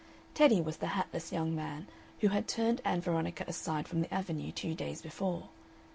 Teddy was the hatless young man who had turned Ann Veronica aside from the Avenue two days before.